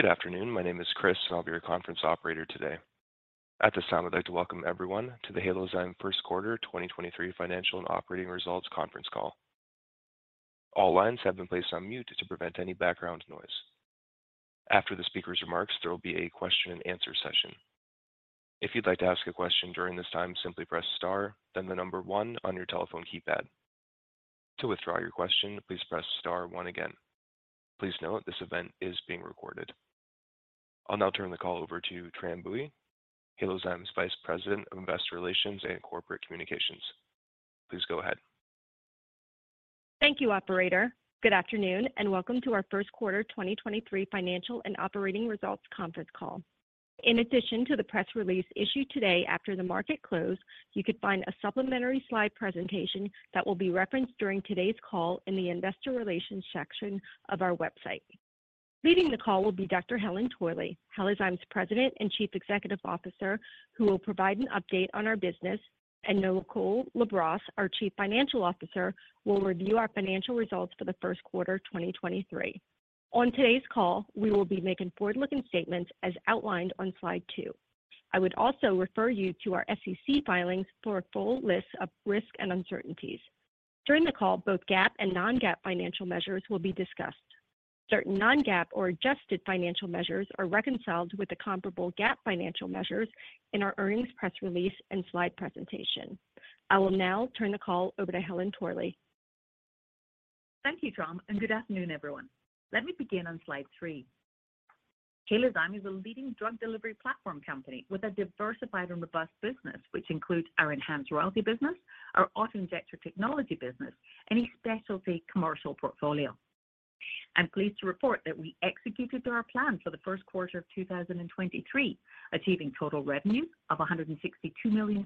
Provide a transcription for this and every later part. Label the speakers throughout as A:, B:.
A: Good afternoon. My name is Chris, and I'll be your conference operator today. At this time, I'd like to welcome everyone to the Halozyme Q1 2023 Financial and Operating Results Conference Call. All lines have been placed on mute to prevent any background noise. After the speaker's remarks, there will be a question-and-answer session. If you'd like to ask a question during this time, simply press star then the number one on your telephone keypad. To withdraw your question, please press star one again. Please note this event is being recorded. I'll now turn the call over to Tram Bui, Halozyme's Vice President of Investor Relations and Corporate Communications. Please go ahead.
B: Thank you, operator. Good afternoon, welcome to our Q1 2023 financial and operating results conference call. In addition to the press release issued today after the market closed, you can find a supplementary slide presentation that will be referenced during today's call in the Investor relations section of our website. Leading the call will be Dr. Helen Torley, Halozyme's President and Chief Executive Officer, who will provide an update on our business, and Nicole LaBrosse, our Chief Financial Officer, will review our financial results for the Q1 2023. On today's call, we will be making forward-looking statements as outlined on slide two. I would also refer you to our SEC filings for a full list of risks and uncertainties. During the call, both GAAP and non-GAAP financial measures will be discussed. Certain non-GAAP or adjusted financial measures are reconciled with the comparable GAAP financial measures in our earnings press release and slide presentation. I will now turn the call over to Helen Torley.
C: Thank you, Tram, and good afternoon, everyone. Let me begin on slide three. Halozyme is a leading drug delivery platform company with a diversified and robust business, which includes our ENHANZE royalty business, our auto-injector technology business, and a specialty commercial portfolio. I'm pleased to report that we executed to our plan for the Q1 of 2023, achieving total revenue of $162 million,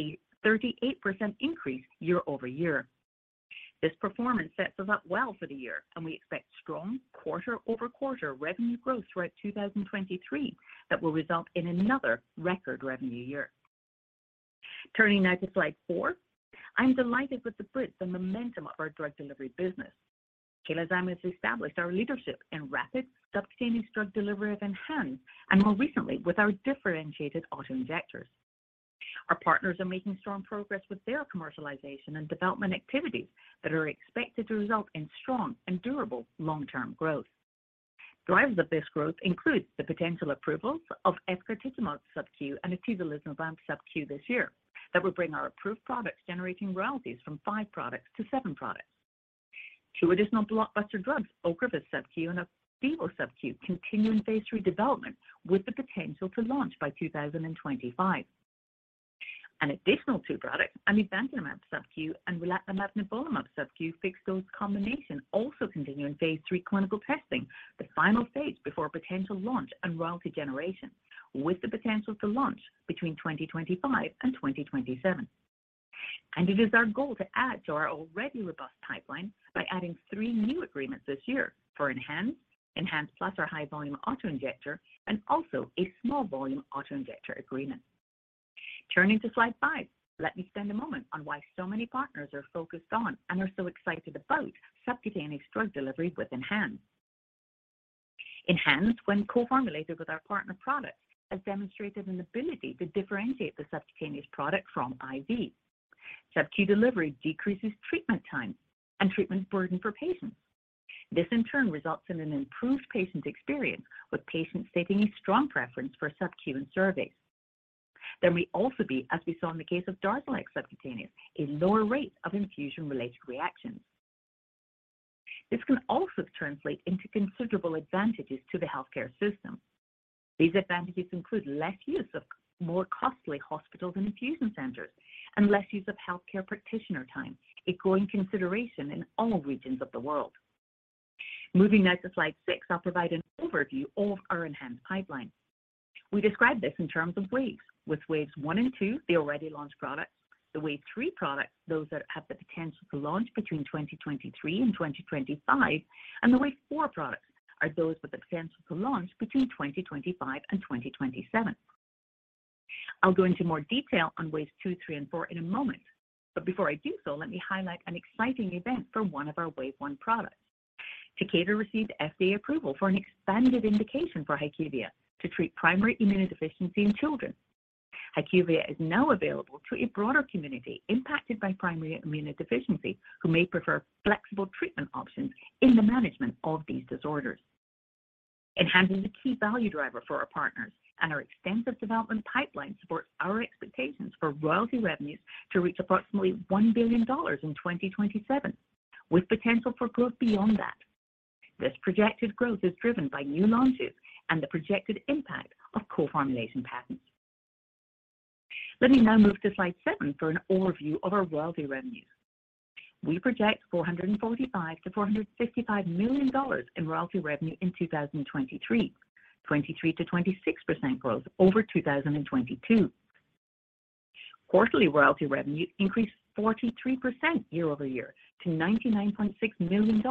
C: a 38% increase year-over-year. This performance sets us up well for the year, and we expect strong quarter-over-quarter revenue growth throughout 2023 that will result in another record revenue year. Turning now to slide four, I'm delighted with the breadth and momentum of our drug delivery business. Halozyme has established our leadership in rapid subcutaneous drug delivery with ENHANZE and more recently with our differentiated auto-injectors. Our partners are making strong progress with their commercialization and development activities that are expected to result in strong and durable long-term growth. Drivers of this growth include the potential approvals of eptinezumab subQ and atezolizumab subQ this year that will bring our approved products generating royalties from five products to seven products. two additional blockbuster drugs, OCREVUS subQ and Afibo subQ, continue in phase III development with the potential to launch by 2025. An additional 2 products, amivantamab subQ and relatlimab-nivolumab subQ fixed-dose combination, also continue in phase III clinical testing, the final stage before a potential launch and royalty generation, with the potential to launch between 2025 and 2027. It is our goal to add to our already robust pipeline by adding 3 new agreements this year for ENHANZE Plus or high-volume auto-injector, and also a small volume auto-injector agreement. Turning to slide five, let me spend a moment on why so many partners are focused on and are so excited about subcutaneous drug delivery with ENHANZE. ENHANZE, when co-formulated with our partner products, has demonstrated an ability to differentiate the subcutaneous product from IV. SubQ delivery decreases treatment time and treatment burden for patients. This, in turn, results in an improved patient experience, with patients stating a strong preference for subQ in surveys. There may also be, as we saw in the case of DARZALEX subcutaneous, a lower rate of infusion-related reactions. This can also translate into considerable advantages to the healthcare system. These advantages include less use of more costly hospitals and infusion centers and less use of healthcare practitioner time, a growing consideration in all regions of the world. Moving now to slide six, I'll provide an overview of our ENHANZE pipeline. We describe this in terms of waves, with waves one and two the already launched products, the wave three products, those that have the potential to launch between 2023 and 2025, and the wave four products are those with the potential to launch between 2025 and 2027. I'll go into more detail on waves two, three, and four in a moment, but before I do so, let me highlight an exciting event for one of our wave one products. Takeda received FDA approval for an expanded indication for HYQVIA to treat primary immunodeficiency in children. HYQVIA is now available to a broader community impacted by primary immunodeficiency who may prefer flexible treatment options in the management of these disorders. ENHANZE is a key value driver for our partners, our extensive development pipeline supports our expectations for royalty revenues to reach approximately $1 billion in 2027, with potential for growth beyond that. This projected growth is driven by new launches and the projected impact of co-formulation patents. Let me now move to slide seven for an overview of our royalty revenues. We project $445 million-$455 million in royalty revenue in 2023, 23%-26% growth over 2022. Quarterly royalty revenues increased 43% year-over-year to $99.6 million.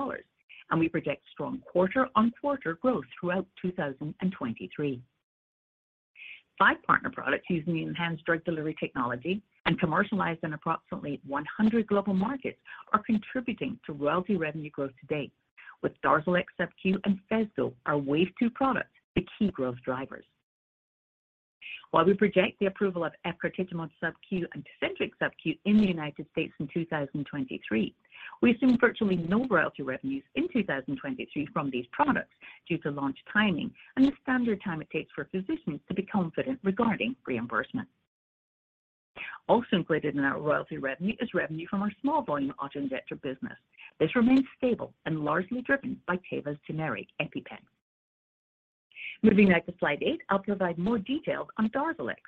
C: We project strong quarter-on-quarter growth throughout 2023. Five partner products using the ENHANZE drug delivery technology and commercialized in approximately 100 global markets are contributing to royalty revenue growth to date, with DARZALEX sub Q and Phesgo our wave two products, the key growth drivers. While we project the approval of eptinezumab sub Q and Tecentriq sub Q in the United States in 2023, we assume virtually no royalty revenues in 2023 from these products due to launch timing and the standard time it takes for physicians to be confident regarding reimbursement. Also included in our royalty revenue is revenue from our small volume auto injector business. This remains stable and largely driven by Teva's generic EpiPen. Moving now to slide eight, I'll provide more details on DARZALEX.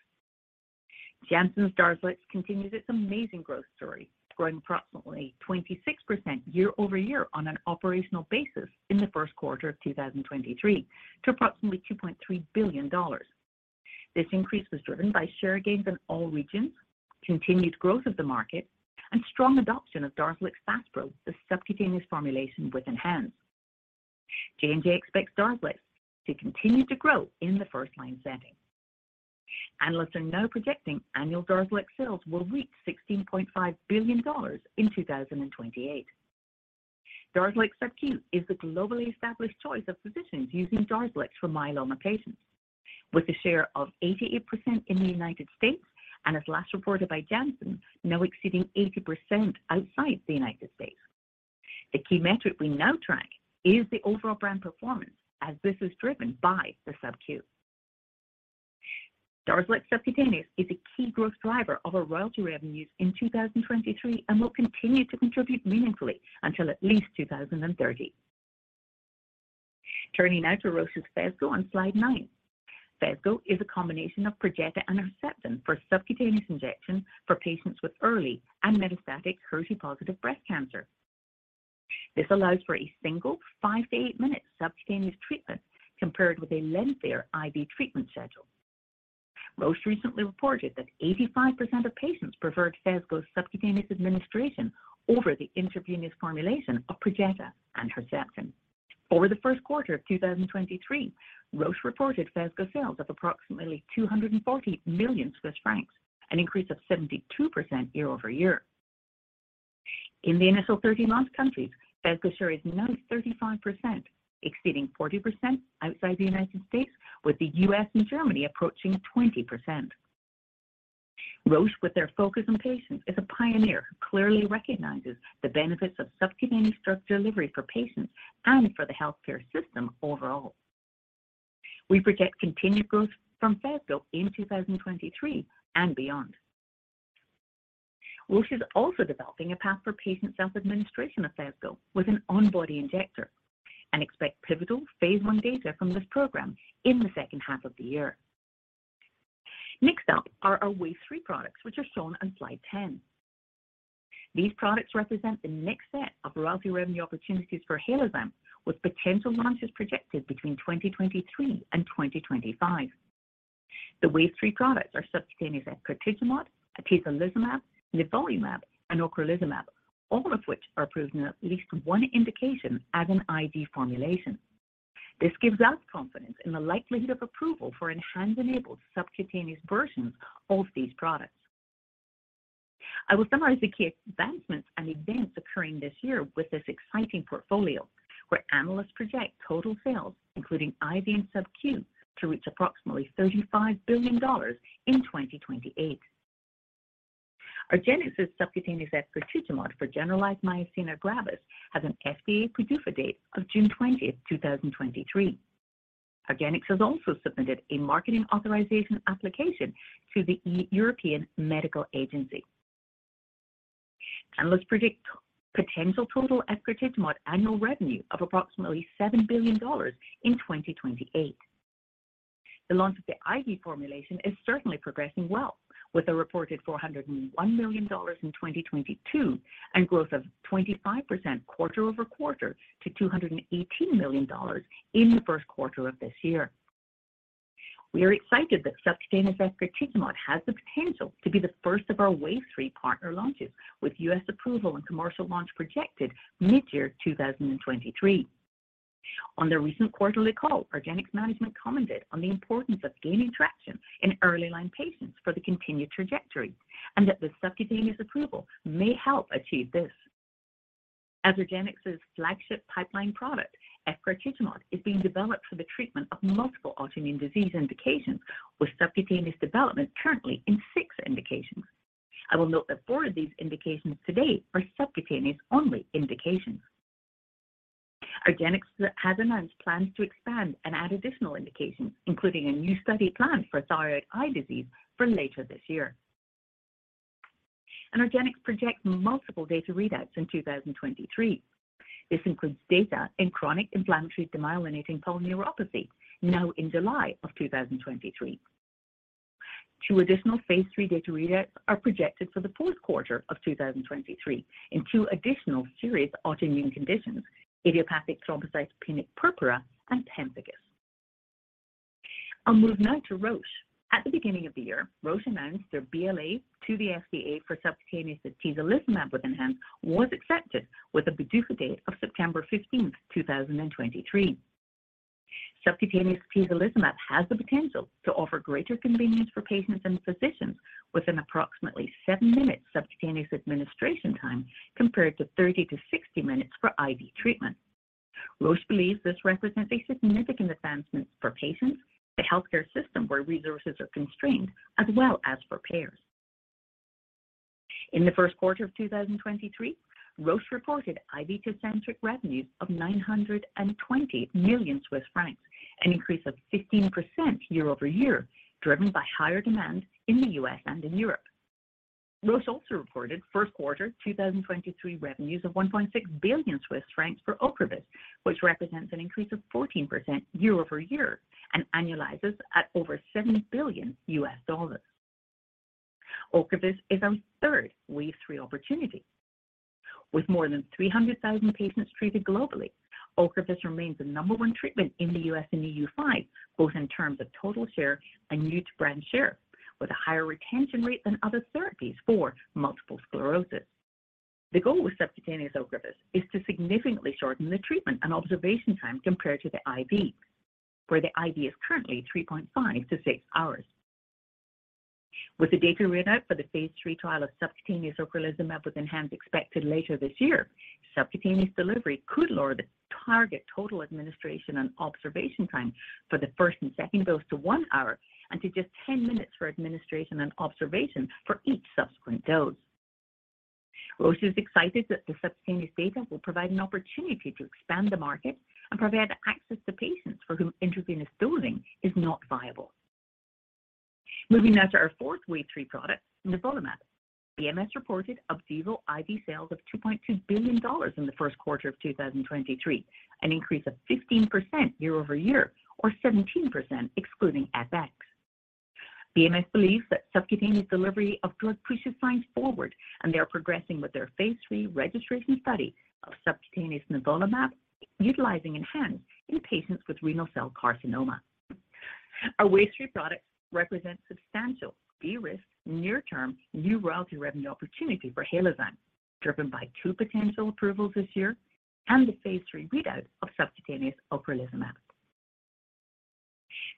C: Janssen's DARZALEX continues its amazing growth story, growing approximately 26% year-over-year on an operational basis in the Q1 of 2023 to approximately $2.3 billion. This increase was driven by share gains in all regions, continued growth of the market and strong adoption of DARZALEX FASPRO, the subcutaneous formulation with ENHANZE. J&J expects DARZALEX to continue to grow in the first line setting. Analysts are now projecting annual DARZALEX sales will reach $16.5 billion in 2028. DARZALEX sub Q is the globally established choice of physicians using DARZALEX for myeloma patients with a share of 88% in the United States and as last reported by Janssen, now exceeding 80% outside the United States. The key metric we now track is the overall brand performance as this is driven by the sub Q. DARZALEX subcutaneous is a key growth driver of our royalty revenues in 2023 and will continue to contribute meaningfully until at least 2030. Turning now to Roche's Phesgo on slide nine. Phesgo is a combination of Perjeta and Herceptin for subcutaneous injection for patients with early and metastatic HER2-positive breast cancer. This allows for a single five to eight-minute subcutaneous treatment compared with a lengthier IV treatment schedule. Roche recently reported that 85% of patients preferred Phesgo's subcutaneous administration over the intravenous formulation of Perjeta and Herceptin. Over the Q1 of 2023, Roche reported Phesgo sales of approximately 240 million Swiss francs, an increase of 72% year-over-year. In the initial 30 launch countries, Phesgo share is now 35%, exceeding 40% outside the United States, with the U.S. and Germany approaching 20%. Roche, with their focus on patients, is a pioneer who clearly recognizes the benefits of subcutaneous drug delivery for patients and for the healthcare system overall. We project continued growth from Phesgo in 2023 and beyond. Roche is also developing a path for patient self-administration of Phesgo with an on-body injector and expect pivotal phase I data from this program in the second half of the year. Up are our wave 3 products which are shown on slide 10. These products represent the next set of royalty revenue opportunities for Halozyme, with potential launches projected between 2023 and 2025. The wave 3 products are subcutaneous efgartigimod, atezolizumab, nivolumab and ocrelizumab, all of which are approved in at least one indication as an IV formulation. This gives us confidence in the likelihood of approval for ENHANZE-enabled subcutaneous versions of these products. I will summarize the key advancements and events occurring this year with this exciting portfolio where analysts project total sales, including IV and sub Q, to reach approximately $35 billion in 2028. argenx's subcutaneous efgartigimod for generalized myasthenia gravis has an FDA PDUFA date of June 20, 2023. argenx has also submitted a marketing authorization application to the European Medical Agency. Analysts predict potential total efgartigimod annual revenue of approximately $7 billion in 2028. The launch of the IV formulation is certainly progressing well, with a reported $401 million in 2022 and growth of 25% quarter-over-quarter to $218 million in the Q1 of this year. We are excited that subcutaneous efgartigimod has the potential to be the first of our wave three partner launches, with US approval and commercial launch projected mid-year 2023. On their recent quarterly call, argenx management commented on the importance of gaining traction in early line patients for the continued trajectory, and that the subcutaneous approval may help achieve this. As argenx's flagship pipeline product, efgartigimod is being developed for the treatment of multiple autoimmune disease indications, with subcutaneous development currently in six indications. I will note that four of these indications to date are subcutaneous-only indications. argenx has announced plans to expand and add additional indications, including a new study plan for thyroid eye disease for later this year. argenx projects multiple data readouts in 2023. This includes data in chronic inflammatory demyelinating polyneuropathy now in July of 2023. Two additional phase III data readouts are projected for the Q4 of 2023 in two additional serious autoimmune conditions, idiopathic thrombocytopenic purpura and pemphigus. I'll move now to Roche. At the beginning of the year, Roche announced their BLA to the FDA for subcutaneous atezolizumab with ENHANZE was accepted with a PDUFA date of September 15th, 2023. Subcutaneous atezolizumab has the potential to offer greater convenience for patients and physicians with an approximately 7-minute subcutaneous administration time compared to 30 to 60 minutes for IV treatment. Roche believes this represents a significant advancement for patients, the healthcare system where resources are constrained, as well as for payers. In the Q1 of 2023, Roche reported IV tocilizumab revenues of 920 million Swiss francs, an increase of 15% year-over-year, driven by higher demand in the U.S. and in Europe. Roche also reported Q1 2023 revenues of 1.6 billion Swiss francs for OCREVUS, which represents an increase of 14% year-over-year and annualizes at over $7 billion. OCREVUS is our third Wave 3 opportunity. With more than 300,000 patients treated globally, OCREVUS remains the number one treatment in the U.S. and EU5, both in terms of total share and new to brand share, with a higher retention rate than other therapies for multiple sclerosis. The goal with subcutaneous OCREVUS is to significantly shorten the treatment and observation time compared to the IV, where the IV is currently 3.5-6 hours. With the data readout for the phase III trial of subcutaneous ocrelizumab with ENHANZE expected later this year, subcutaneous delivery could lower the target total administration and observation time for the first and second dose to 1 hour and to just 10 minutes for administration and observation for each subsequent dose. Roche is excited that the subcutaneous data will provide an opportunity to expand the market and provide access to patients for whom intravenous dosing is not viable. Moving now to our fourth Wave 3 product, nivolumab. BMS reported Opdivo IV sales of $2.2 billion in the Q1 of 2023, an increase of 15% year-over-year, or 17% excluding FX. BMS believes that subcutaneous delivery of drug pushes science forward. They are progressing with their phase III registration study of subcutaneous nivolumab utilizing ENHANZE in patients with renal cell carcinoma. Our Wave 3 products represent substantial de-risk near-term new royalty revenue opportunity for Halozyme, driven by two potential approvals this year and the phase III readout of subcutaneous ocrelizumab.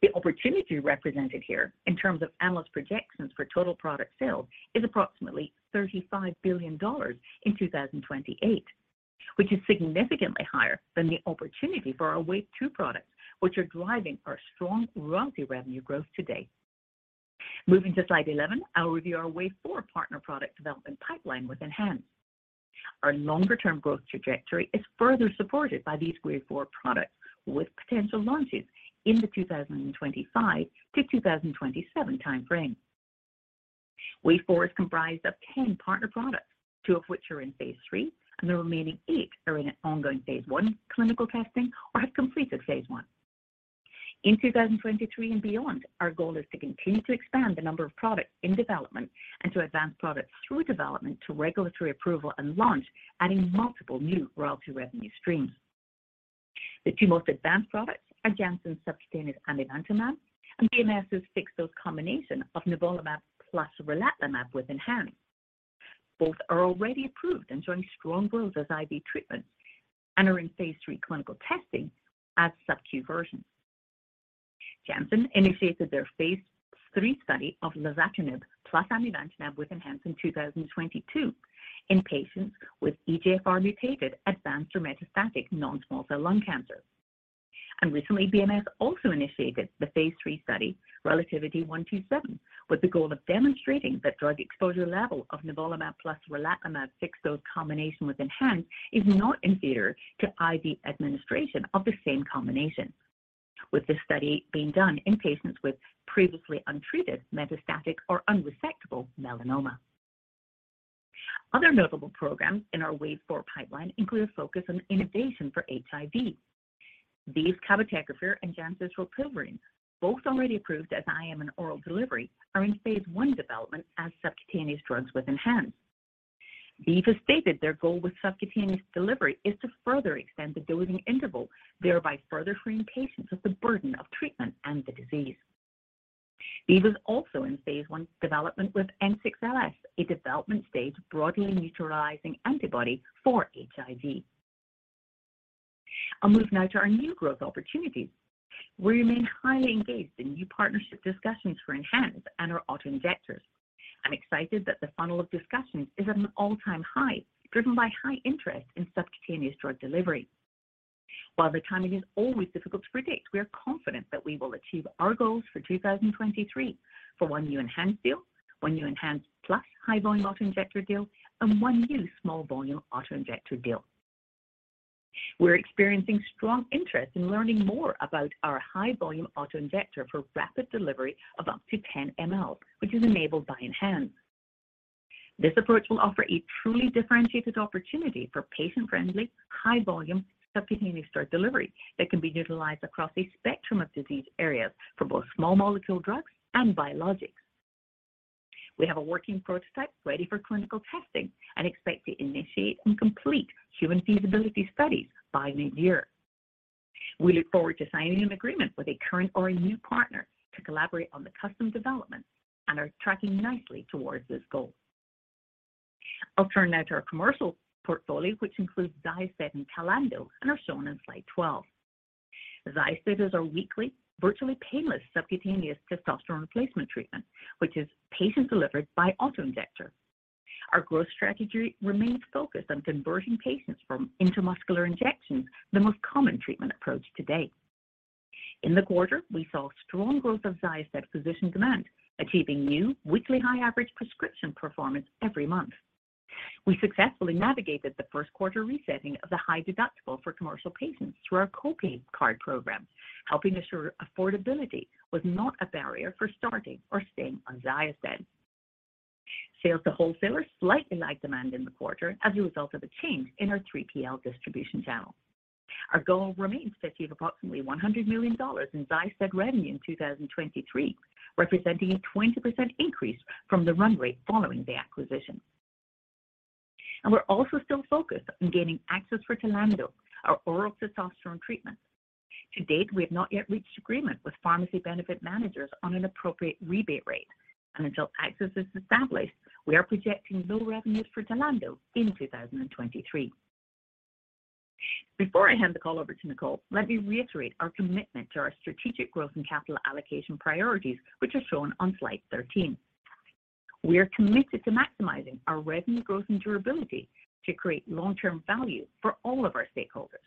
C: The opportunity represented here in terms of analyst projections for total product sales is approximately $35 billion in 2028, which is significantly higher than the opportunity for our Wave 2 products, which are driving our strong royalty revenue growth today. Moving to slide 11, I'll review our Wave 4 partner product development pipeline with ENHANZE. Our longer-term growth trajectory is further supported by these Wave 4 products with potential launches in the 2025-2027 time frame. Wave 4 is comprised of 10 partner products, 2 of which are in phase III, and the remaining 8 are in ongoing phase I clinical testing or have completed phase I. In 2023 and beyond, our goal is to continue to expand the number of products in development and to advance products through development to regulatory approval and launch, adding multiple new royalty revenue streams. The two most advanced products are Janssen's subcutaneous amivantamab and BMS' fixed-dose combination of nivolumab plus relatlimab with ENHANZE. Both are already approved, enjoying strong growth as IV treatments, and are in phase III clinical testing as sub-Q versions. Janssen initiated their phase III study of lazertinib plus amivantamab with ENHANZE in 2022 in patients with EGFR mutated advanced or metastatic non-small cell lung cancer. Recently, BMS also initiated the phase III study, RELATIVITY-047, with the goal of demonstrating that drug exposure level of nivolumab plus relatlimab fixed-dose combination with ENHANZE is not inferior to IV administration of the same combination, with this study being done in patients with previously untreated metastatic or unresectable melanoma. Other notable programs in our Wave 4 pipeline include a focus on innovation for HIV. ViiV's cabotegravir and Janssen's rilpivirine, both already approved as IM and oral delivery, are in phase I development as subcutaneous drugs with ENHANZE. ViiV has stated their goal with subcutaneous delivery is to further extend the dosing interval, thereby further freeing patients of the burden of treatment and the disease. ViiV is also in phase I development with N6LS, a development-stage broadly neutralizing antibody for HIV. I'll move now to our new growth opportunities. We remain highly engaged in new partnership discussions for ENHANZE and our auto-injectors. I'm excited that the funnel of discussions is at an all-time high, driven by high interest in subcutaneous drug delivery. While the timing is always difficult to predict, we are confident that we will achieve our goals for 2023 for 1 new ENHANZE deal, 1 new ENHANZE Plus high-volume auto-injector deal, and 1 new small-volume auto-injector deal. We're experiencing strong interest in learning more about our high-volume auto-injector for rapid delivery of up to 10 mL, which is enabled by ENHANZE. This approach will offer a truly differentiated opportunity for patient-friendly, high-volume subcutaneous drug delivery that can be utilized across a spectrum of disease areas for both small molecule drugs and biologics. We have a working prototype ready for clinical testing and expect to initiate and complete human feasibility studies by mid-year. We look forward to signing an agreement with a current or a new partner to collaborate on the custom development and are tracking nicely towards this goal. I'll turn now to our commercial portfolio, which includes XYOSTED and TLANDO, are shown in slide 12. XYOSTED is our weekly, virtually painless subcutaneous testosterone replacement treatment, which is patient delivered by auto-injector. Our growth strategy remains focused on converting patients from intramuscular injections, the most common treatment approach to date. In the quarter, we saw strong growth of XYOSTED physician demand, achieving new weekly high average prescription performance every month. We successfully navigated the Q1 resetting of the high deductible for commercial patients through our co-pay card program, helping ensure affordability was not a barrier for starting or staying on XYOSTED. Sales to wholesalers slightly lagged demand in the quarter as a result of a change in our 3PL distribution channel. Our goal remains to achieve approximately $100 million in XYOSTED revenue in 2023, representing a 20% increase from the run rate following the acquisition. We're also still focused on gaining access for TLANDO, our oral testosterone treatment. To date, we have not yet reached agreement with pharmacy benefit managers on an appropriate rebate rate, and until access is established, we are projecting low revenues for TLANDO in 2023. Before I hand the call over to Nicole, let me reiterate our commitment to our strategic growth and capital allocation priorities, which are shown on slide 13. We are committed to maximizing our revenue growth and durability to create long-term value for all of our stakeholders.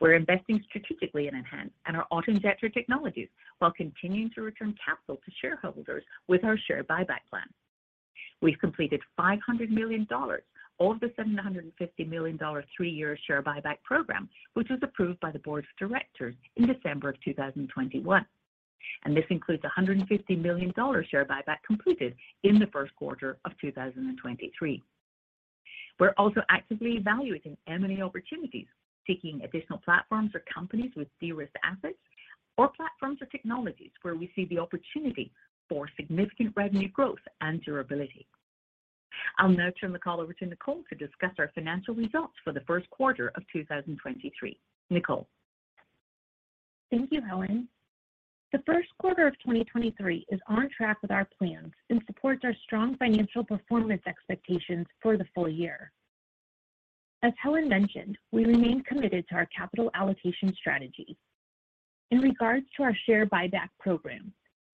C: We're investing strategically in ENHANZE and our auto-injector technologies while continuing to return capital to shareholders with our share buyback plan. We've completed $500 million of the $750 million three-year share buyback program, which was approved by the board of directors in December of 2021. This includes a $150 million share buyback completed in the first quarter of 2023. We're also actively evaluating M&A opportunities, seeking additional platforms or companies with de-risked assets or platforms or technologies where we see the opportunity for significant revenue growth and durability. I'll now turn the call over to Nicole to discuss our financial results for the Q1 of 2023. Nicole?
D: Thank you, Helen. The Q1 of 2023 is on track with our plans and supports our strong financial performance expectations for the full year. As Helen mentioned, we remain committed to our capital allocation strategy. In regards to our share buyback program,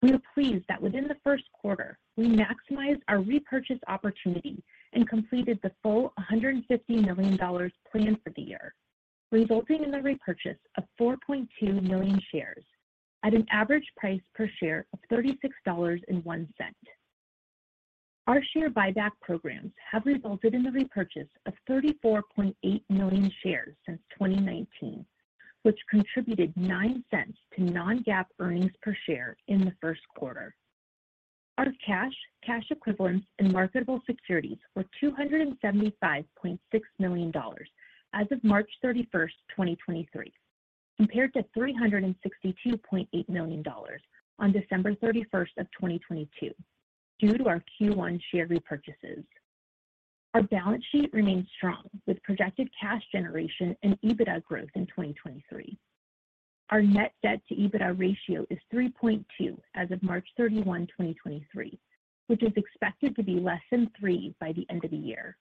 D: we are pleased that within the Q1, we maximized our repurchase opportunity and completed the $150 million planned for the year, resulting in the repurchase of 4.2 million shares at an average price per share of $36.01. Our share buyback programs have resulted in the repurchase of 34.8 million shares since 2019, which contributed $0.09 to non-GAAP earnings per share in the Q1. Our cash equivalents, and marketable securities were $275.6 million as of March 31st, 2023, compared to $362.8 million on December 31st, 2022, due to our Q1 share repurchases. Our balance sheet remains strong with projected cash generation and EBITDA growth in 2023. Our net debt to EBITDA ratio is 3.2 as of March 31, 2023, which is expected to be less than 3 by the end of the year.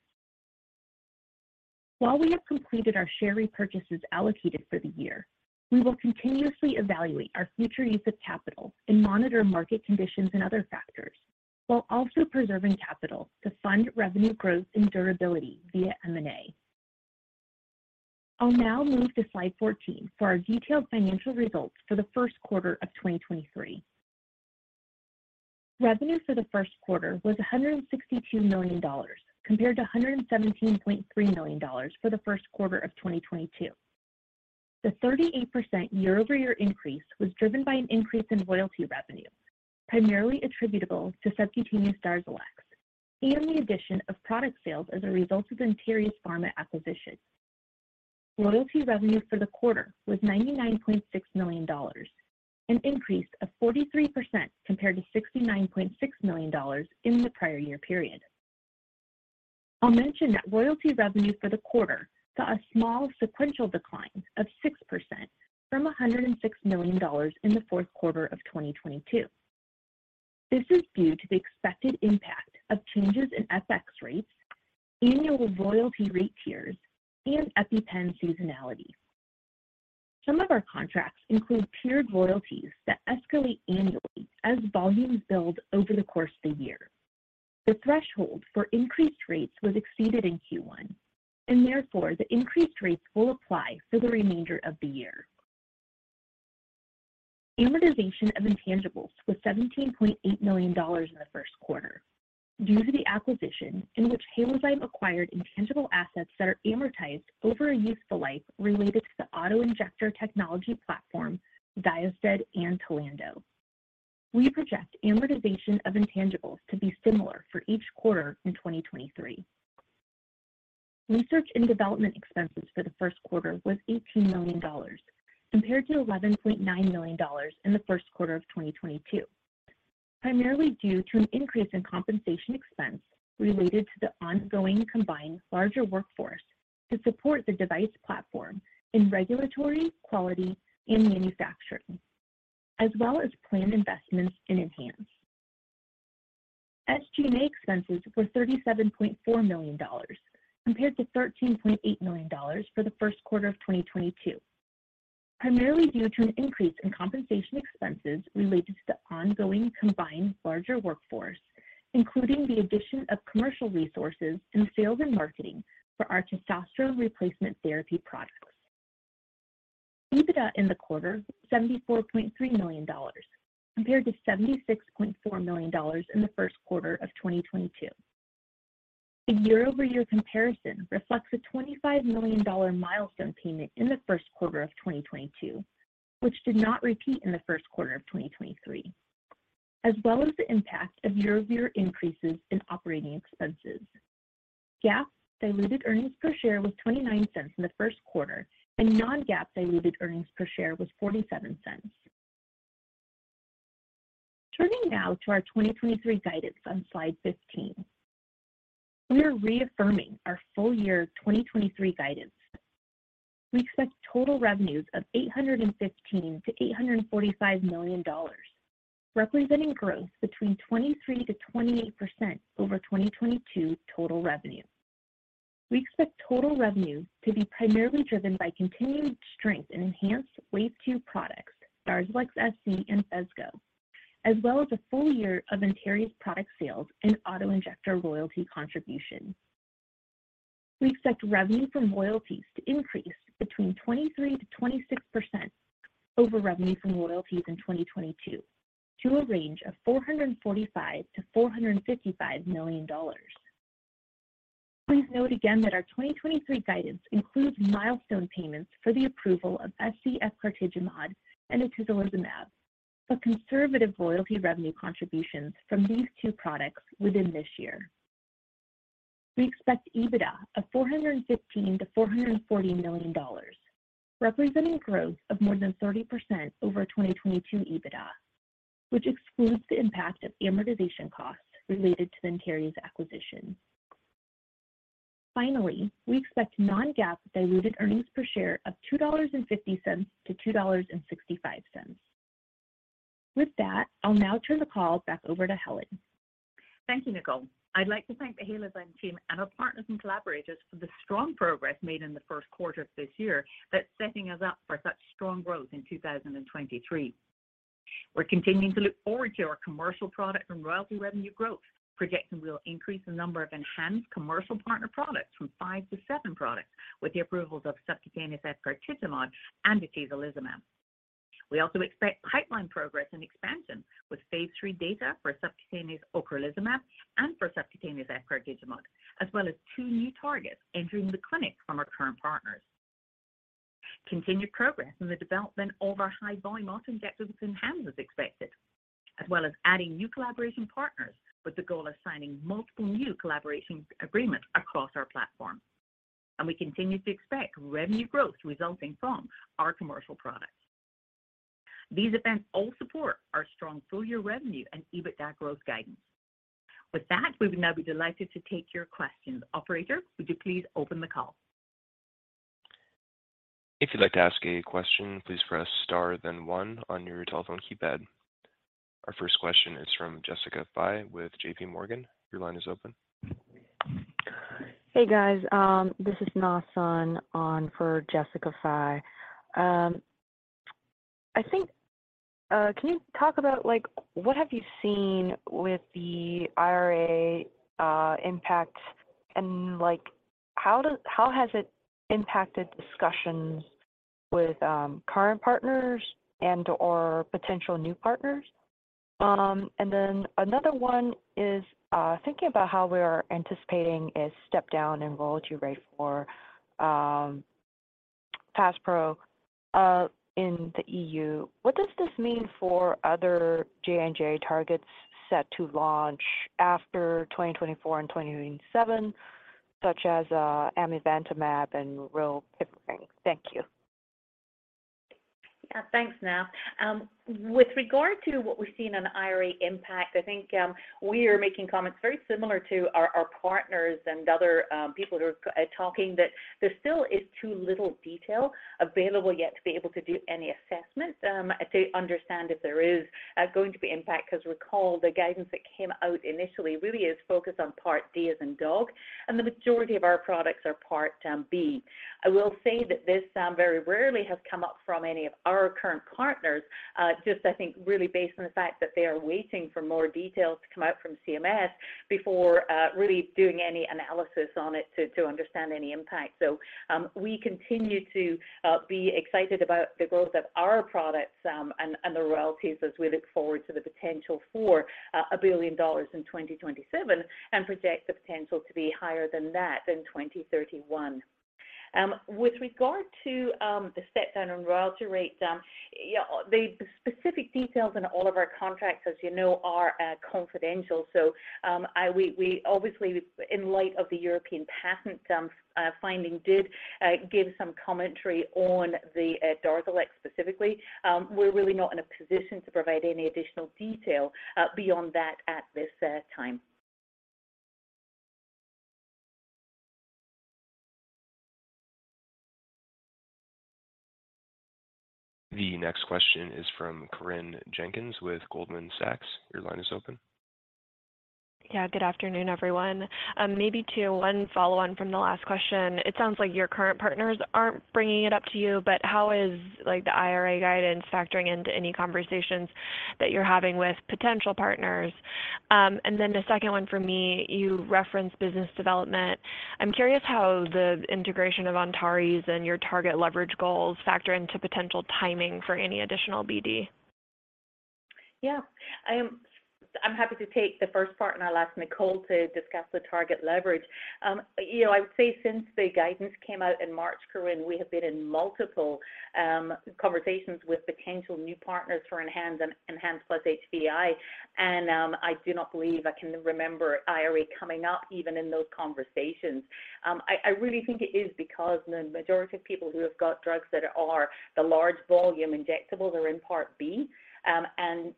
D: While we have completed our share repurchases allocated for the year, we will continuously evaluate our future use of capital and monitor market conditions and other factors while also preserving capital to fund revenue growth and durability via M&A. I'll now move to slide 14 for our detailed financial results for the Q1 of 2023. Revenue for the Q1 was $162 million compared to $117.3 million for the Q1 of 2022. The 38% year-over-year increase was driven by an increase in royalty revenue, primarily attributable to subcutaneous DARZALEX and the addition of product sales as a result of Antares Pharma acquisition. Royalty revenue for the quarter was $99.6 million, an increase of 43% compared to $69.6 million in the prior year period. I'll mention that royalty revenue for the quarter saw a small sequential decline of 6% from $106 million in the Q4 of 2022. This is due to the expected impact of changes in FX rates, annual royalty rate tiers, and EpiPen seasonality. Some of our contracts include tiered royalties that escalate annually as volumes build over the course of the year. The threshold for increased rates was exceeded in Q1, and therefore, the increased rates will apply for the remainder of the year. Amortization of intangibles was $17.8 million in the Q1 due to the acquisition in which Halozyme acquired intangible assets that are amortized over a useful life related to the auto-injector technology platform, XYOSTED, and TLANDO. We project amortization of intangibles to be similar for each quarter in 2023. Research and development expenses for the Q1 was $18 million compared to $11.9 million in the Q1 of 2022, primarily due to an increase in compensation expense related to the ongoing combined larger workforce to support the device platform in regulatory, quality, and manufacturing. As well as planned investments in ENHANZE. SG&A expenses were $37.4 million, compared to $13.8 million for the Q1 of 2022, primarily due to an increase in compensation expenses related to the ongoing combined larger workforce, including the addition of commercial resources in sales and marketing for our testosterone replacement therapy products. EBITDA in the quarter, $74.3 million, compared to $76.4 million in the Q1 of 2022. The year-over-year comparison reflects a $25 million milestone payment in the Q1 of 2022, which did not repeat in the Q1 of 2023, as well as the impact of year-over-year increases in operating expenses. GAAP diluted earnings per share was $0.29 in the Q1, and non-GAAP diluted earnings per share was $0.47. Turning now to our 2023 guidance on slide 15. We are reaffirming our full year 2023 guidance. We expect total revenues of $815 million-$845 million, representing growth between 23%-28% over 2022 total revenue. We expect total revenue to be primarily driven by continued strength in ENHANZE wave two products, DARZALEX SC and Phesgo, as well as a full year of Antares product sales and auto-injector royalty contribution. We expect revenue from royalties to increase between 23%-26% over revenue from royalties in 2022 to a range of $445 million-$455 million. Please note again that our 2023 guidance includes milestone payments for the approval of SC efgartigimod and atezolizumab, Conservative royalty revenue contributions from these two products within this year. We expect EBITDA of $415 million-$440 million, representing growth of more than 30% over 2022 EBITDA, which excludes the impact of the amortization costs related to the Antares acquisition. Finally, we expect non-GAAP diluted earnings per share of $2.50-$2.65. With that, I'll now turn the call back over to Helen.
C: Thank you, Nicole. I'd like to thank the Halozyme team and our partners and collaborators for the strong progress made in the Q1 of this year that's setting us up for such strong growth in 2023. We're continuing to look forward to our commercial product and royalty revenue growth, projecting we'll increase the number of ENHANZE commercial partner products from five to seven products with the approvals of subcutaneous eptinezumab and atezolizumab. We also expect pipeline progress and expansion with phase III data for subcutaneous ocrelizumab and for subcutaneous eptinezumab, as well as two new targets entering the clinic from our current partners. Continued progress in the development of our high-volume auto-injectors in ENHANZE is expected, as well as adding new collaboration partners with the goal of signing multiple new collaboration agreements across our platform. We continue to expect revenue growth resulting from our commercial products. These events all support our strong full-year revenue and EBITDA growth guidance. With that, we would now be delighted to take your questions. Operator, would you please open the call?
A: If you'd like to ask a question, please press star then one on your telephone keypad. Our first question is from Jessica Fye with JPMorgan. Your line is open.
E: Hey, guys. This is Na Sun on for Jessica Fye. I think, can you talk about what have you seen with the IRA impact and how has it impacted discussions with current partners and/or potential new partners? Another one is thinking about how we are anticipating a step down in royalty rate for FASPRO in the EU. What does this mean for other J&J targets set to launch after 2024 and 2027, such as amivantamab and rilpivirine? Thank you.
C: Thanks, Na. With regard to what we've seen on IRA impact, I think, we are making comments very similar to our partners and other people who are talking that there still is too little detail available yet to be able to do any assessment, to understand if there is going to be impact. Recall, the guidance that came out initially really is focused on Part D as in dog, and the majority of our products are Part B. I will say that this very rarely has come up from any of our current partners, just I think really based on the fact that they are waiting for more details to come out from CMS before really doing any analysis on it to understand any impact. We continue to be excited about the growth of our products, and the royalties as we look forward to the potential for $1 billion in 2027 and project the potential to be higher than that in 2031. With regard to the step down in royalty rates, yeah, the specific details in all of our contracts, as you know, are confidential. We obviously in light of the European patent finding did give some commentary on the DARZALEX specifically. We're really not in a position to provide any additional detail beyond that at this time.
A: The next question is from Corinne Jenkins with Goldman Sachs. Your line is open.
F: Good afternoon, everyone. Maybe to one follow-on from the last question. It sounds like your current partners aren't bringing it up to you, but how is, like, the IRA guidance factoring into any conversations that you're having with potential partners? The second one for me, you referenced business development. I'm curious how the integration of Antares and your target leverage goals factor into potential timing for any additional BD.
C: Yeah. I'm happy to take the first part, and I'll ask Nicole to discuss the target leverage. You know, I would say since the guidance came out in March, Corinne, we have been in multiple conversations with potential new partners for ENHANZE and ENHANZE plus HVAI. I do not believe I can remember IRA coming up even in those conversations. I really think it is because the majority of people who have got drugs that are the large volume injectables are in Part B, and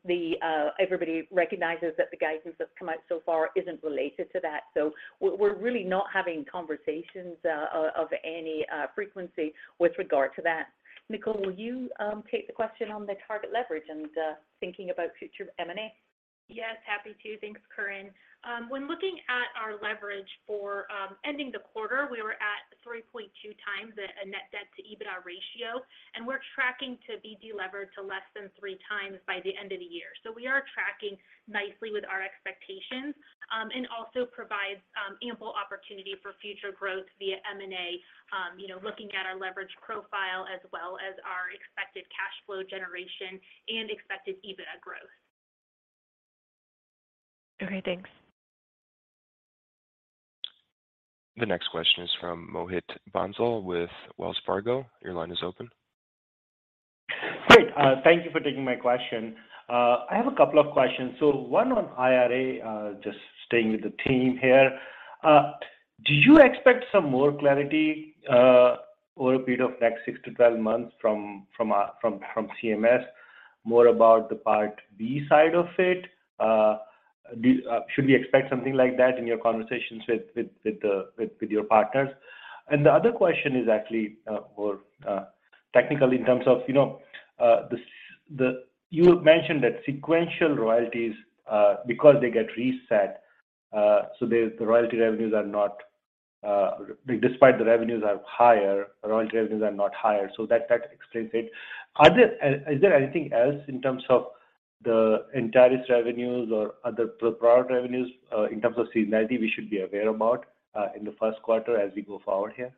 C: everybody recognizes that the guidance that's come out so far isn't related to that. We're really not having conversations of any frequency with regard to that. Nicole, will you take the question on the target leverage and thinking about future M&A?
D: Yes, happy to. Thanks, Corinne. When looking at our leverage for ending the quarter, we were at 3.2 times a net debt to EBITDA ratio, and we're tracking to be delevered to less than 3 times by the end of the year. We are tracking nicely with our expectations, and also provides ample opportunity for future growth via M&A, you know, looking at our leverage profile as well as our expected cash flow generation and expected EBITDA growth.
F: Okay, thanks.
A: The next question is from Mohit Bansal with Wells Fargo. Your line is open.
G: Great. Thank you for taking my question. I have a couple of questions. One on IRA, just staying with the team here. Do you expect some more clarity over a period of next six to 12 months from CMS, more about the Part B side of it? Should we expect something like that in your conversations with your partners? The other question is actually more technical in terms of, you know, You mentioned that sequential royalties, because they get reset, so the royalty revenues are not despite the revenues are higher, royalty revenues are not higher. That, that explains it. Are there... Is there anything else in terms of the Antares revenues or other pro-prior revenues, in terms of seasonality we should be aware about, in the Q1 as we go forward here?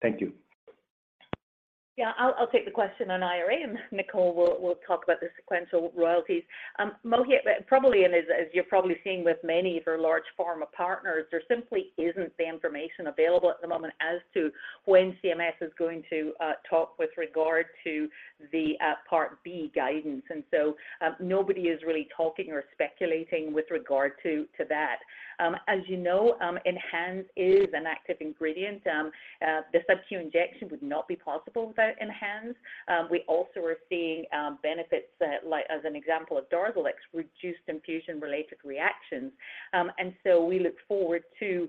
G: Thank you.
C: Yeah. I'll take the question on IRA, Nicole will talk about the sequential royalties. Mohit, probably, as you're probably seeing with many of our large pharma partners, there simply isn't the information available at the moment as to when CMS is going to talk with regard to the Part B guidance. Nobody is really talking or speculating with regard to that. As you know, ENHANZE is an active ingredient. The subQ injection would not be possible without ENHANZE. We also are seeing benefits, like as an example of DARZALEX, reduced infusion-related reactions. We look forward to,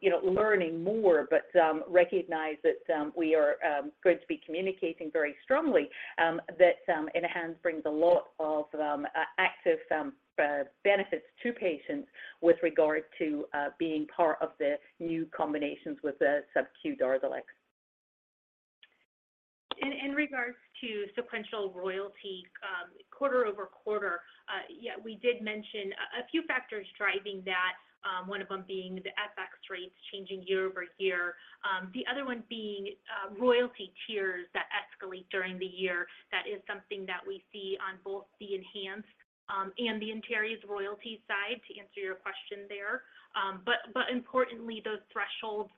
C: you know, learning more, but recognize that we are going to be communicating very strongly that ENHANZE brings a lot of active benefits to patients with regard to being part of the new combinations with the subQ DARZALEX.
D: In regards to sequential royalty, quarter-over-quarter, yeah, we did mention a few factors driving that, one of them being the FX rates changing year-over-year. The other one being royalty tiers that escalate during the year. That is something that we see on both the ENHANZE and the Entaris royalty side to answer your question there. Importantly, those thresholds,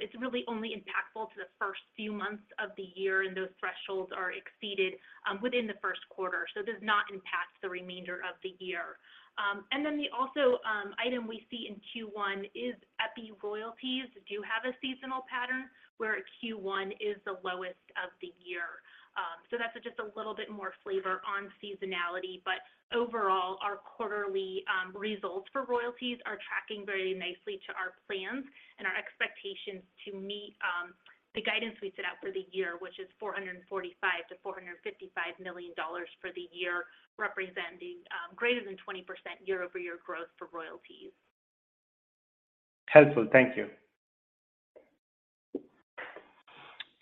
D: it's really only impactful to the first few months of the year, and those thresholds are exceeded within the Q1. It does not impact the remainder of the year. The also item we see in Q1 is EpiPen royalties do have a seasonal pattern where Q1 is the lowest of the year. That's just a little bit more flavor on seasonality. Overall, our quarterly results for royalties are tracking very nicely to our plans and our expectations to meet the guidance we set out for the year, which is $445 million-$455 million for the year, representing greater than 20% year-over-year growth for royalties.
G: Helpful. Thank you.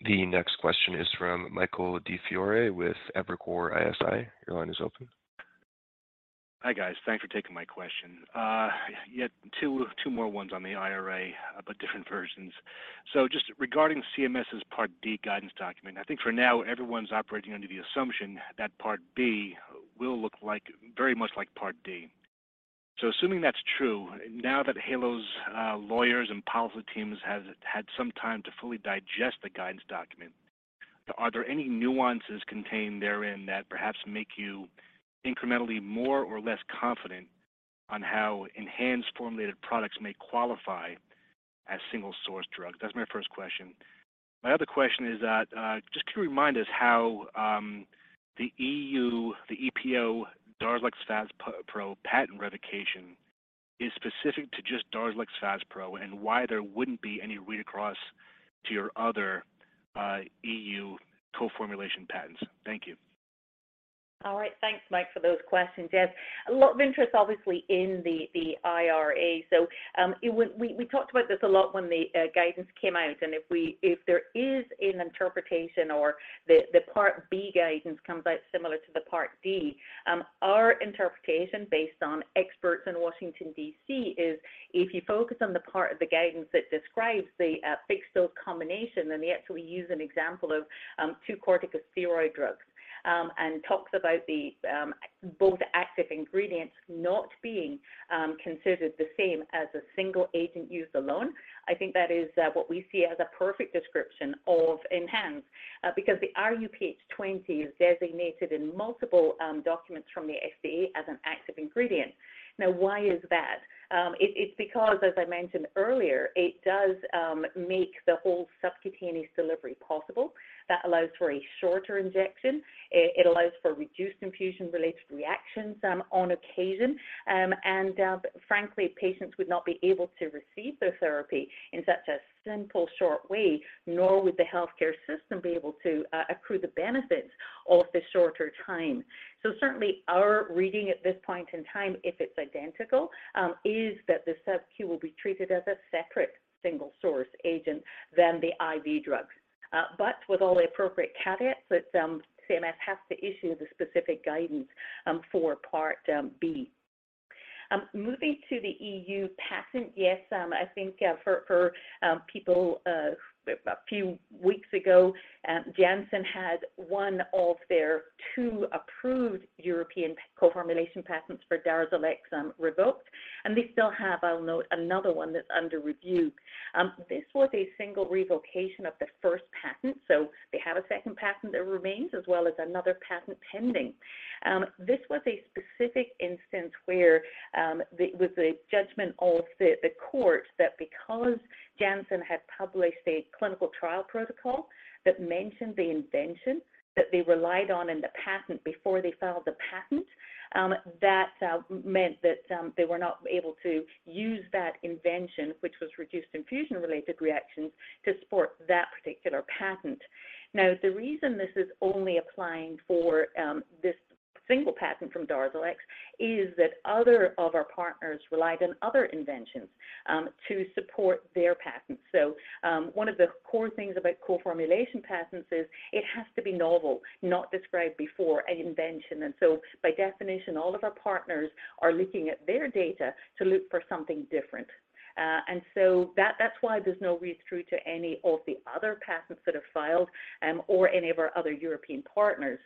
A: The next question is from Michael DiFiore with Evercore ISI. Your line is open.
H: Hi, guys. Thanks for taking my question. Yeah, two more ones on the IRA, different versions. Just regarding CMS' Part D guidance document, I think for now everyone's operating under the assumption that Part B will look very much like Part D. Assuming that's true, now that Halo's lawyers and policy teams has had some time to fully digest the guidance document, are there any nuances contained therein that perhaps make you incrementally more or less confident on how ENHANZE formulated products may qualify as single source drugs? That's my first question. My other question is that, just can you remind us how the EU, the EPO DARZALEX FASPRO patent revocation is specific to just DARZALEX FASPRO and why there wouldn't be any read across to your other EU co-formulation patents. Thank you.
C: All right. Thanks, Mike, for those questions. Yes, a lot of interest obviously in the IRA. We talked about this a lot when the guidance came out, and if we, if there is an interpretation or the Part B guidance comes out similar to the Part D, our interpretation based on experts in Washington D.C. is if you focus on the part of the guidance that describes the fixed-dose combination, then they actually use an example of two corticosteroid drugs, and talks about the both active ingredients not being considered the same as a single agent used alone. I think that is what we see as a perfect description of ENHANZE. Because the rHuPH20 is designated in multiple documents from the FDA as an active ingredient. Now, why is that? It's because, as I mentioned earlier, it does make the whole subcutaneous delivery possible. That allows for a shorter injection. It allows for reduced infusion-related reactions on occasion. Frankly, patients would not be able to receive their therapy in such a simple, short way, nor would the healthcare system be able to accrue the benefits of the shorter time. Certainly our reading at this point in time, if it's identical, is that the sub Q will be treated as a separate single source agent than the IV drugs. But with all the appropriate caveats that CMS has to issue the specific guidance for Part B. Moving to the EU patent, yes, I think for people a few weeks ago, Janssen had one of their 2 approved European co-formulation patents for DARZALEX revoked, and they still have, I'll note, another one that's under review. This was a single revocation of the 1st patent. They have a 2nd patent that remains, as well as another patent pending. This was a specific instance where with the judgment of the court that because Janssen had published a clinical trial protocol that mentioned the invention that they relied on in the patent before they filed the patent, meant that they were not able to use that invention, which was reduced infusion-related reactions, to support that particular patent. The reason this is only applying for this single patent from DARZALEX is that other of our partners relied on other inventions to support their patents. One of the core things about co-formulation patents is it has to be novel, not described before an invention. By definition, all of our partners are looking at their data to look for something different. That, that's why there's no read-through to any of the other patents that are filed or any of our other European partners.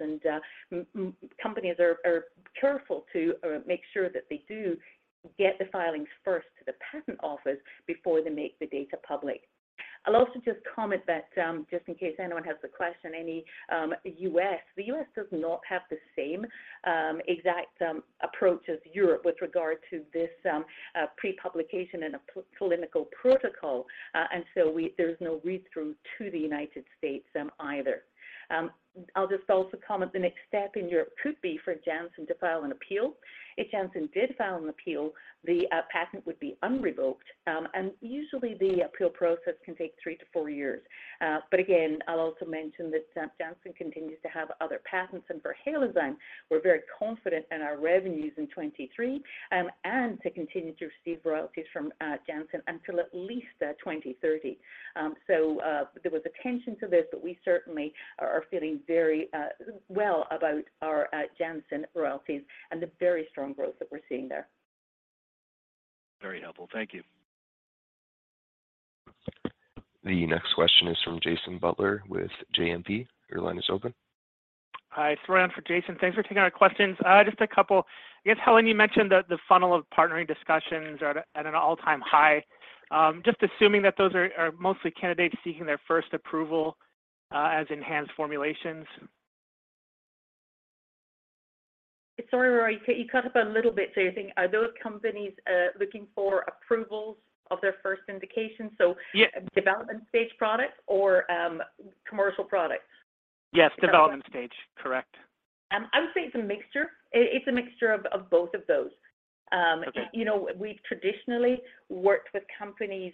C: Companies are careful to make sure that they do get the filings first to the patent office before they make the data public. I'll also just comment that, just in case anyone has the question, any, U.S., the U.S. does not have the same exact approach as Europe with regard to this pre-publication in a clinical protocol. There's no read-through to the United States either. I'll just also comment the next step in Europe could be for Janssen to file an appeal. If Janssen did file an appeal, the patent would be unrevoked. Usually the appeal process can take three to four years. Again, I'll also mention that Janssen continues to have other patents. For Halozyme, we're very confident in our revenues in 2023, and to continue to receive royalties from Janssen until at least 2030. There was attention to this, but we certainly are feeling very well about our Janssen royalties and the very strong growth that we're seeing there.
H: Very helpful. Thank you.
A: The next question is from Jason Butler with JMP. Your line is open.
I: Hi. It's Roy for Jason. Thanks for taking our questions. Just a couple. I guess, Helen, you mentioned the funnel of partnering discussions are at an all-time high. Just assuming that those are mostly candidates seeking their first approval, as enhanced formulations.
C: Sorry, Roy, you cut up a little bit. You're saying are those companies looking for approvals of their first indication?
I: Yeah.
C: development stage products or, commercial products?
I: Yes. Development stage. Correct.
C: I would say it's a mixture. It's a mixture of both of those.
I: Okay.
C: You know, we've traditionally worked with companies,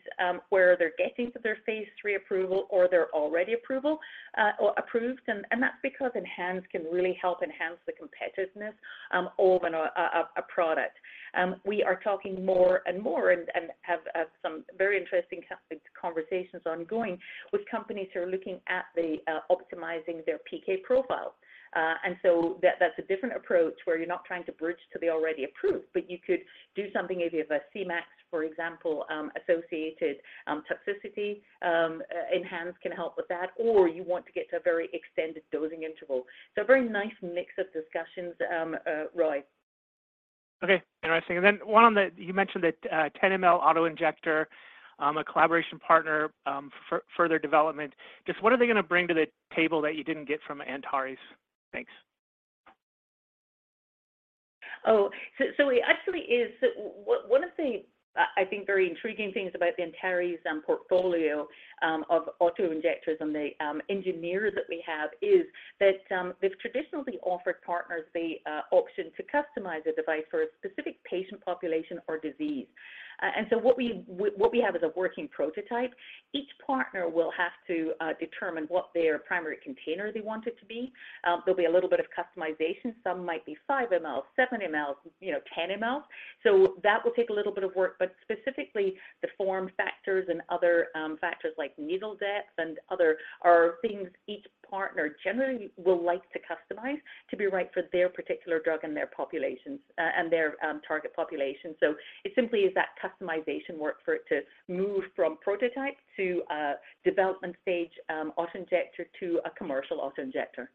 C: where they're getting to their phase III approval or they're already approval or approved. That's because ENHANZE can really help enhance the competitiveness of a product. We are talking more and more and have some very interesting conversations ongoing with companies who are looking at the optimizing their PK profile. That's a different approach where you're not trying to bridge to the already approved, but you could do something if you have a Cmax, for example, associated toxicity, ENHANZE can help with that, or you want to get to a very extended dosing interval. A very nice mix of discussions, Roy.
I: Okay. Interesting. Then one on the you mentioned that, 10 ml auto-injector, a collaboration partner, for further development. Just what are they gonna bring to the table that you didn't get from Antares? Thanks.
C: it actually is One of the I think very intriguing things about the Antares portfolio of auto-injectors and the engineers that we have is that we've traditionally offered partners the option to customize a device for a specific patient population or disease. What we have is a working prototype. Each partner will have to determine what their primary container they want it to be. There'll be a little bit of customization. Some might be 5 mL, 7 mL, you know, 10 mL. That will take a little bit of work, but specifically the form factors and other factors like needle depth and other are things each partner generally will like to customize to be right for their particular drug and their populations and their target population. It simply is that customization work for it to move from prototype to a development stage, auto-injector to a commercial auto-injector.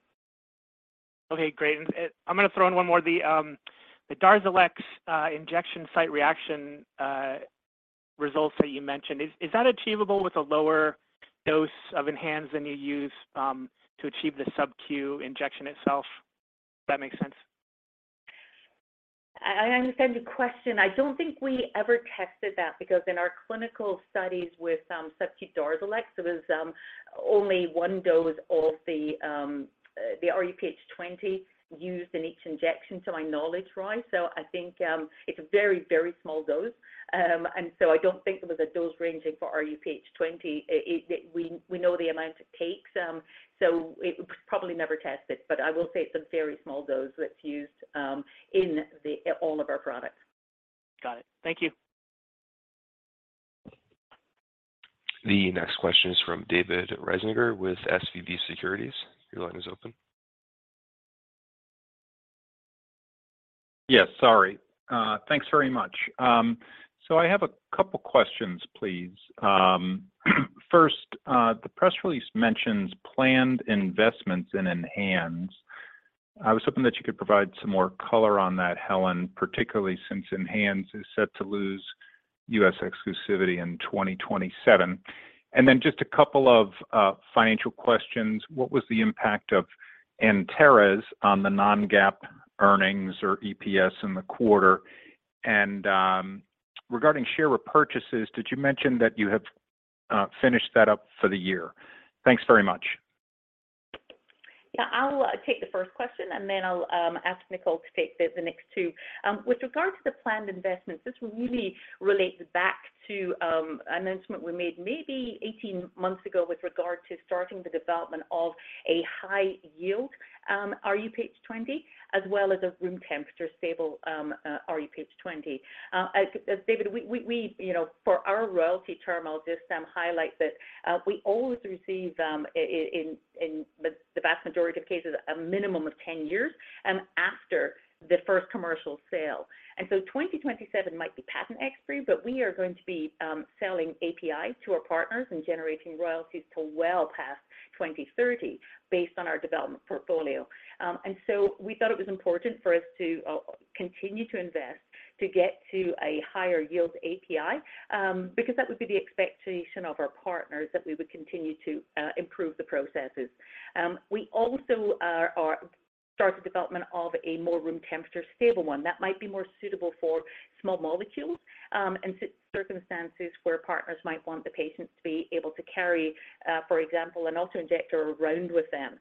I: Okay, great. I'm gonna throw in one more. The DARZALEX injection site reaction results that you mentioned, is that achievable with a lower dose of ENHANZE than you use to achieve the subq injection itself? If that makes sense.
C: I understand your question. I don't think we ever tested that because in our clinical studies with subq DARZALEX, it was only one dose of the rHuPH20 used in each injection, to my knowledge, Roy. I think it's a very small dose. I don't think there was a dose ranging for rHuPH20. We know the amount it takes, so it was probably never tested. I will say it's a very small dose that's used in all of our products.
I: Got it. Thank you.
A: The next question is from David Risinger with SVB Securities. Your line is open.
J: Yes. Sorry. Thanks very much. I have a couple questions, please. First, the press release mentions planned investments in ENHANZE. I was hoping that you could provide some more color on that, Helen, particularly since ENHANZE is set to lose US exclusivity in 2027. Just a couple of financial questions. What was the impact of Antares on the non-GAAP earnings or EPS in the quarter? Regarding share repurchases, did you mention that you have finished that up for the year? Thanks very much.
C: Yeah. I'll take the first question, and then I'll ask Nicole to take the next two. With regard to the planned investments, this really relates back to an announcement we made maybe 18 months ago with regard to starting the development of a high-yield rHuPH20, as well as a room temperature stable rHuPH20. As David, we, you know, for our royalty term, I'll just highlight that we always receive in the vast majority of cases, a minimum of 10 years after the first commercial sale. 2027 might be patent expiry, but we are going to be selling API to our partners and generating royalties till well past 2030 based on our development portfolio. We thought it was important for us to continue to invest to get to a higher yield API because that would be the expectation of our partners that we would continue to improve the processes. We also start the development of a more room temperature stable one that might be more suitable for small molecules, and circumstances where partners might want the patients to be able to carry, for example, an auto-injector around with them.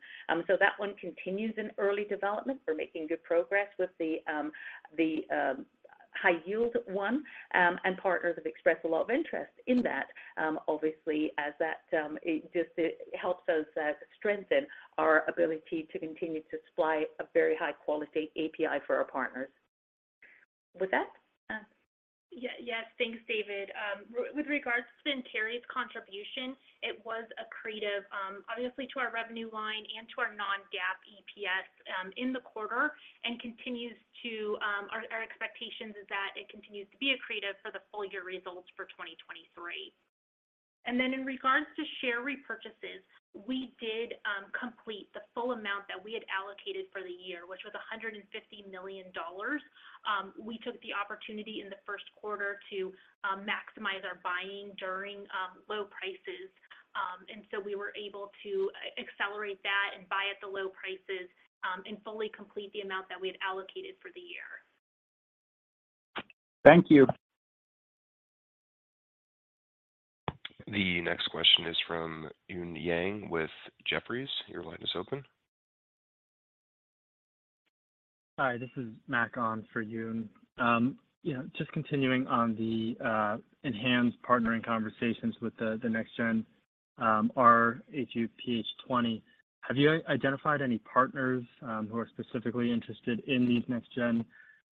C: That one continues in early development. We're making good progress with the high-yield one, and partners have expressed a lot of interest in that, obviously as that, it just, it helps us strengthen our ability to continue to supply a very high-quality API for our partners. Was that?
D: Yes. Thanks, David. With regards to Antares' contribution, it was accretive, obviously to our revenue line and to our non-GAAP EPS, in the quarter and continues to, our expectation is that it continues to be accretive for the full year results for 2023. In regards to share repurchases, we did complete the full amount that we had allocated for the year, which was $150 million. We took the opportunity in the Q1 to maximize our buying during low prices. We were able to accelerate that and buy at the low prices and fully complete the amount that we had allocated for the year.
J: Thank you.
A: The next question is from Eun Yang with Jefferies. Your line is open.
K: Hi, this is Mack on for Eun. you know, just continuing on the ENHANZE partnering conversations with the next-gen rHuPH20, have you identified any partners who are specifically interested in these next-gen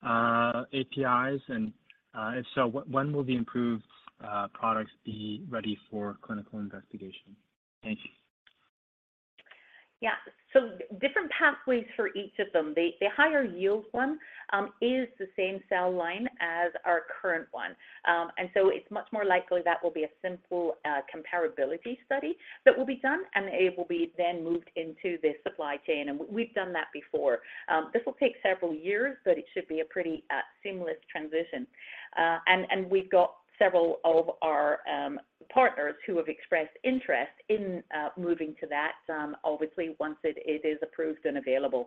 K: APIs? If so, when will the improved products be ready for clinical investigation? Thank you.
C: Yeah. Different pathways for each of them. The higher yield one is the same cell line as our current one. It's much more likely that will be a simple comparability study that will be done, and it will be then moved into the supply chain, and we've done that before. This will take several years, but it should be a pretty seamless transition. We've got several of our partners who have expressed interest in moving to that, obviously once it is approved and available.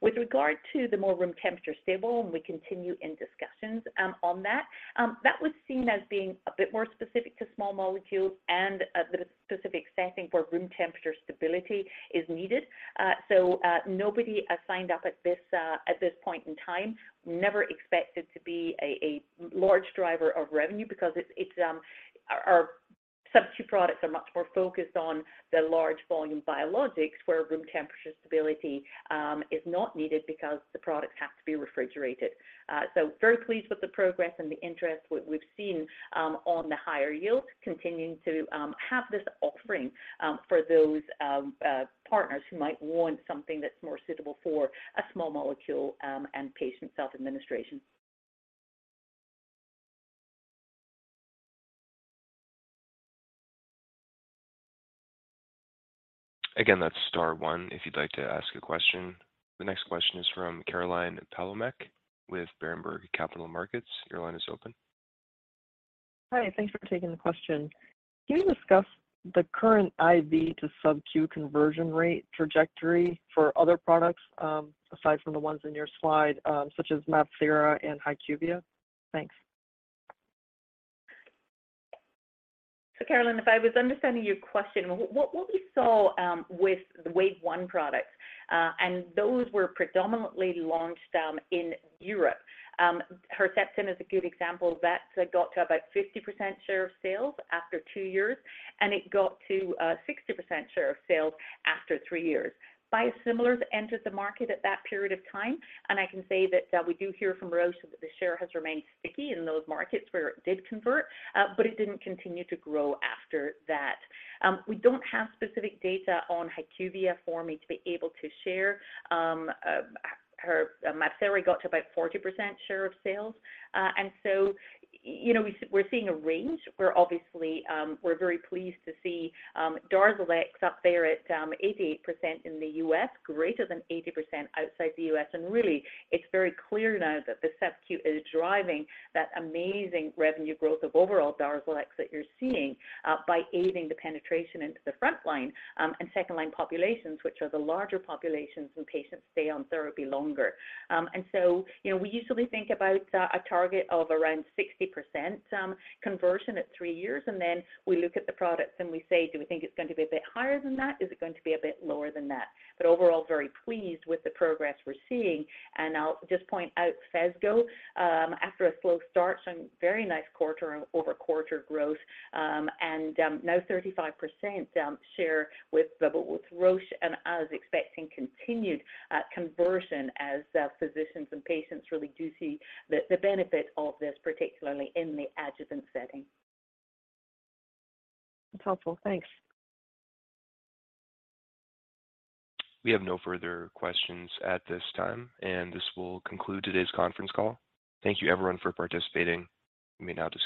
C: With regard to the more room temperature stable, and we continue in discussions on that was seen as being a bit more specific to small molecules and a bit of specific setting where room temperature stability is needed. Nobody has signed up at this point in time. Never expect it to be a large driver of revenue because it's our Subcu products are much more focused on the large volume biologics where room temperature stability is not needed because the product has to be refrigerated. Very pleased with the progress and the interest we've seen on the higher yields continuing to have this offering for those partners who might want something that's more suitable for a small molecule and patient self-administration.
A: Again, that's star one if you'd like to ask a question. The next question is from Caroline Palomeque with Berenberg Capital Markets. Your line is open.
L: Hi. Thanks for taking the question. Can you discuss the current IV to SubQ conversion rate trajectory for other products, aside from the ones in your slide, such as MabThera SC and HYQVIA? Thanks.
C: Caroline, if I was understanding your question, what we saw, with the wave one products, and those were predominantly launched, in Europe. Herceptin is a good example. That got to about 50% share of sales after two years, and it got to 60% share of sales after three years. Biosimilars entered the market at that period of time, and I can say that, we do hear from Roche that the share has remained sticky in those markets where it did convert, but it didn't continue to grow after that. We don't have specific data on Hyqvia for me to be able to share. MabThera SC got to about 40% share of sales. You know, we're seeing a range. We're obviously, We're very pleased to see DARZALEX up there at 88% in the U.S., greater than 80% outside the U.S. Really, it's very clear now that the SubQ is driving that amazing revenue growth of overall DARZALEX that you're seeing by aiding the penetration into the front line and second line populations, which are the larger populations when patients stay on therapy longer. You know, we usually think about a target of around 60% conversion at three years, and then we look at the products and we say, "Do we think it's going to be a bit higher than that? Is it going to be a bit lower than that?" But overall, very pleased with the progress we're seeing. I'll just point out Phesgo, after a slow start, some very nice quarter-over-quarter growth, and now 35% share with Roche. I was expecting continued conversion as physicians and patients really do see the benefit of this, particularly in the adjuvant setting.
L: That's helpful. Thanks.
A: We have no further questions at this time, and this will conclude today's conference call. Thank you everyone for participating. You may now disconnect.